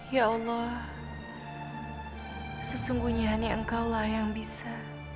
ya allah sesungguhnya hanya engkau lah yang bisa